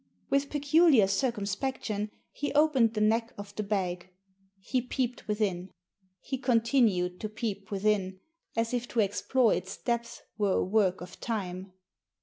With peculiar circum spection he opened the neck of the bag. He peeped within. He continued to peep within, as if to explore its depths were a work of time.